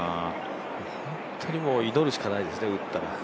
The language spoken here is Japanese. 本当にもう祈るしかないですね、打ったら。